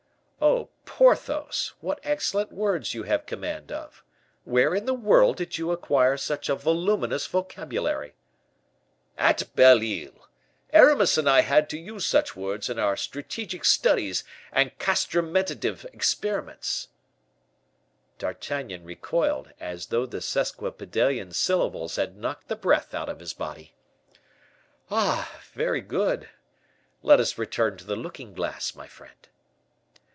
"Oh, Porthos! what excellent words you have command of. Where in the word did you acquire such a voluminous vocabulary?" "At Belle Isle. Aramis and I had to use such words in our strategic studies and castramentative experiments." D'Artagnan recoiled, as though the sesquipedalian syllables had knocked the breath out of his body. "Ah! very good. Let us return to the looking glass, my friend."